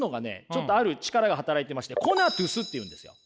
ちょっとある力が働いてましてコナトゥスっていうんですよ。